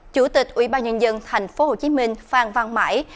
chủ tịch ubnd tp hcm phan văn mãi